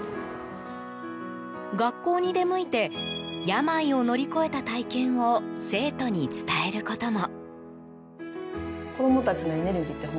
学校に出向いて病を乗り越えた体験を生徒に伝えることも。